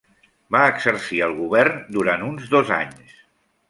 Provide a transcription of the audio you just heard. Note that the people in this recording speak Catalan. Va exercir el govern durant uns dos anys.